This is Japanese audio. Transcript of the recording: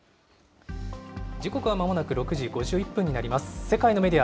時刻はまもなく６時５１分になります。